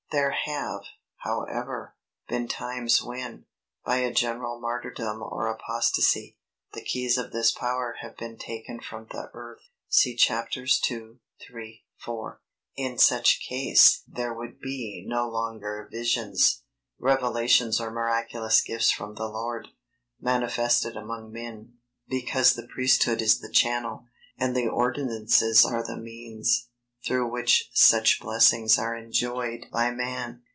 There have, however, been times when, by a general martyrdom or apostacy, the keys of this power have been taken from the earth, (see chapters 2, 3, 4.) In such case there would be no longer visions, revelations or miraculous gifts from the Lord, manifested among men, because the Priesthood is the channel, and the ordinances are the means, through which such blessings are enjoyed by man.